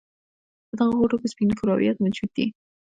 په دغه غوټو کې سپین کرویات موجود دي.